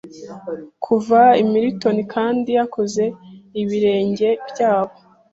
Kuva i Milton Kandi Yakoze Ibirenge byabo